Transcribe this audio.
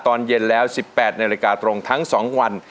ตอนเย็นแล้ว๑๘นาฬิกาตรงทั้ง๒วัน